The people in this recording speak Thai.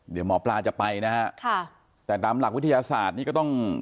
เดี๋ยวหมอปลาจะไปนะฮะค่ะแต่ตามหลักวิทยาศาสตร์นี่ก็ต้อง